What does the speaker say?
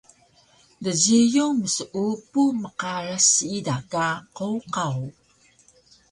Djiyun mseupu mqaras siida ka qowqaw